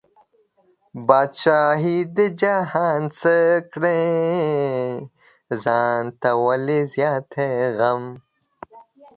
بادشاهي د جهان څه کړې، ځان له ولې زیاتی غم